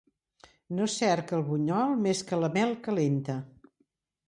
No cerca el bunyol més que la mel calenta.